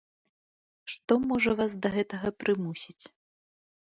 Што можа вас да гэтага прымусіць?